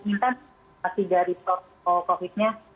minta kasih dari foto covid sembilan belas nya